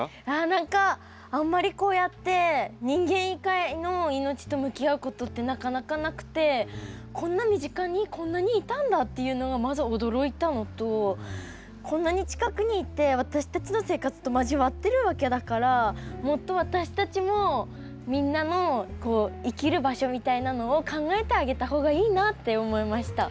何かあんまりこうやって人間以外の命と向き合うことってなかなかなくてこんな身近にこんなにいたんだっていうのがまず驚いたのとこんなに近くにいて私たちの生活と交わってるわけだからもっと私たちもみんなの生きる場所みたいなのを考えてあげた方がいいなって思いました。